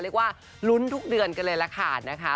เรียกว่าลุ้นทุกเดือนกันเลยแหละค่ะ